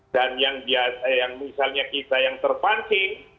dan yang misalnya kita yang terpancing